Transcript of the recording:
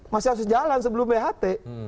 masih harus jalan sebelum pht